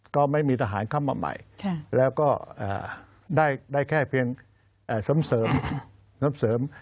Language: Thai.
ก็ไม่มีทหารเข้ามาใหม่แล้วก็ได้แค่เพียงเสริมน้ำเสริม